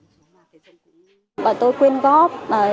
bà tôi quyên tặng đồ dùng nhu yếu phẩm thiết yếu